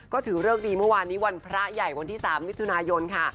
ก็ถือเลิกดีเมื่อวานนี้วันพระใหญ่วันที่๓มิถุนายนค่ะ